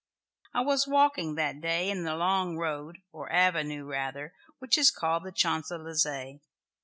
I was walking that day in the long road, or avenue rather, which is called the Champs Elysées.